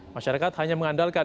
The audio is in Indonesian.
masyarakat hanya mengandalkan